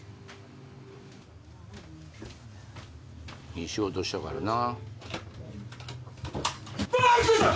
いい仕事したからな